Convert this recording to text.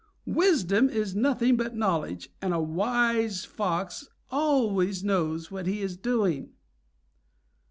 Wisdom is nothing but knowledge, and a wise Fox always knows what he is doing."